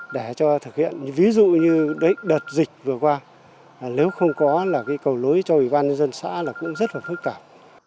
để cho thực hiện ví dụ như đợt dịch vừa qua nếu không có là cái cầu lối cho ủy ban nhân dân xã là cũng rất là phức tạp